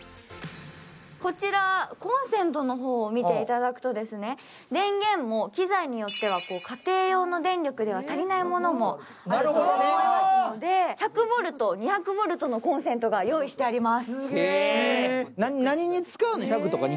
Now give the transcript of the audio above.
こちらコンセントを見ていただくと、電源も機材によっては家庭用の電力では足りないものもあるので１００ボルト、２００ボルトのコンセントが用意してあります。